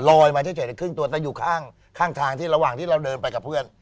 มาเฉยในครึ่งตัวแต่อยู่ข้างทางที่ระหว่างที่เราเดินไปกับเพื่อน